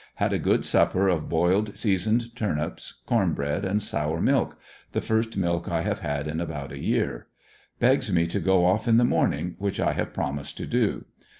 Had a good supper of boiled seasoned turnips, corn bread and sour milk, the first milk I have had in about a year. Begs me to go off in the morning, which 1 have promised to do.